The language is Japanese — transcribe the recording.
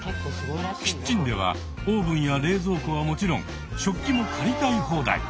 キッチンではオーブンや冷蔵庫はもちろん食器も借りたい放題。